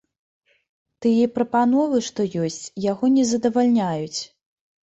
Тыя прапановы, што ёсць, яго не задавальняюць.